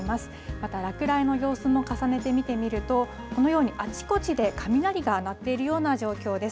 また、落雷の様子も重ねて見てみると、このようにあちこちで雷が鳴っているような状況です。